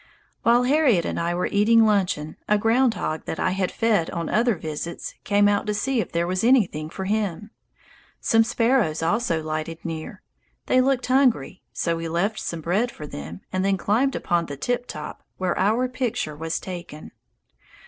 While Harriet and I were eating luncheon, a ground hog that I had fed on other visits came out to see if there was anything for him. Some sparrows also lighted near; they looked hungry, so we left some bread for them and then climbed upon the "tip top," where our picture was taken.